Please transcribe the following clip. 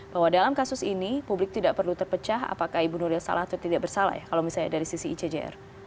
bahwa dalam kasus ini publik tidak perlu terpecah apakah ibu nuril salah atau tidak bersalah ya kalau misalnya dari sisi icjr